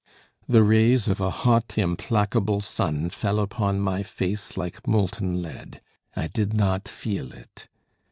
The rays of a hot implacable sun fell upon my face like molten lead. I did not feel it.